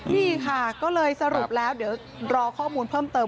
นี่ค่ะก็เลยสรุปแล้วเดี๋ยวรอข้อมูลเพิ่มเติม